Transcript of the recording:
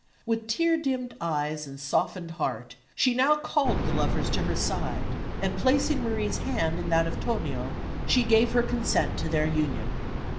With tear dimmed eyes and softened heart, she now called the lovers to her side; and placing Marie's hand in that of Tonio, she gave her consent to their union.